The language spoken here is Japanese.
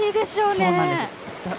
そうなんです。